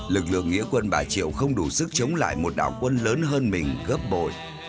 lực lượng nghĩa quân bà triệu không đủ sức chống lại một đảo quân lớn hơn mình gấp bội